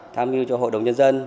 tham dự cho hội đồng nhân dân